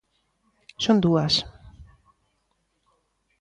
Son dúas.